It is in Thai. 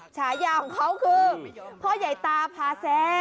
ฉายาของเขาคือพ่อใหญ่ตาพาแซ่